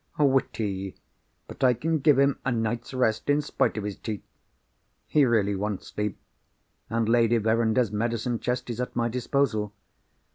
Witty—but I can give him a night's rest in spite of his teeth. He really wants sleep; and Lady Verinder's medicine chest is at my disposal.